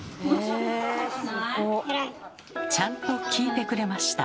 ちゃんと聞いてくれました。